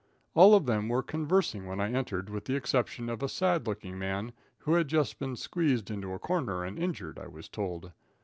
All of them were conversing when I entered, with the exception of a sad looking man who had just been squeezed into a corner and injured, I was told.